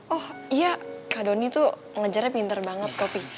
oh iya kak donny tuh ngejarnya pinter banget kak pi